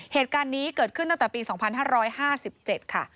เหตุการณ์นี้เกิดขึ้นตั้งแต่ปี๒๕๕๗ค่ะ